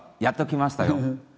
やっと来ましたよ。